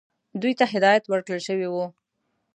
دوی ته هدایت ورکړل شوی وو.